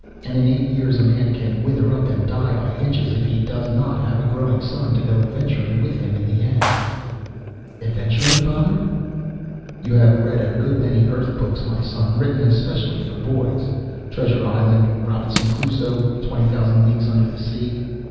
And in eight years a man can wither up and die by inches if he does not have a growing son to go adventuring with him in the end." "Adventuring, father?" "You have read a good many Earth books, my son, written especially for boys. Treasure Island, Robinson Crusoe, Twenty Thousand Leagues Under The Sea.